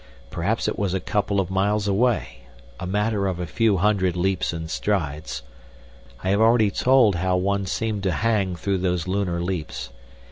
Perhaps it was a couple of miles away—a matter of a few hundred leaps and strides. I have already told how one seemed to hang through those lunar leaps.